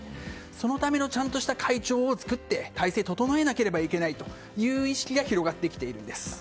そのためのちゃんとした会長を作って体制を整えなければいけないという意識が広がってきているんです。